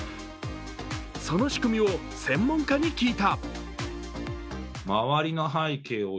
その仕組みを専門家に聞いた。